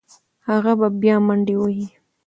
هغه به بیا منډې وهي.